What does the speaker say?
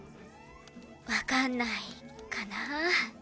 わかんないかな？